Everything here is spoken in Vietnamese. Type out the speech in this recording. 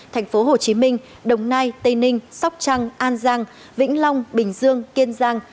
thành phố hồ chí minh đồng nai tây ninh sóc trăng an giang vĩnh long bình dương kiên giang